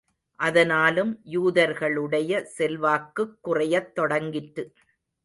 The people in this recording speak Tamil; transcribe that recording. அதனாலும், யூதர்களுடைய செல்வாக்குக் குறையத் தொடங்கிற்று.